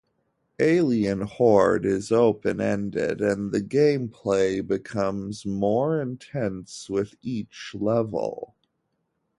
"Alien Horde" is open-ended, and the gameplay becomes more intense with each level.